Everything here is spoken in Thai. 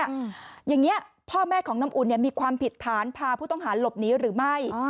อย่างนี้พ่อแม่ของน้ำอุ่นเนี่ยมีความผิดฐานพาผู้ต้องหาหลบหนีหรือไม่